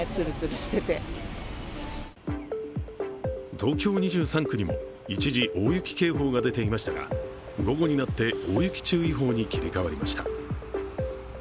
東京２３区にも一時大雪警報が出ていましたが午後になって、大雪注意報に切り替わりました。